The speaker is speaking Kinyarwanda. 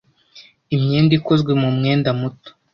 Imyenda ikozwe mu mwenda muto.